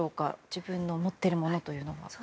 自分の持っているものというのは。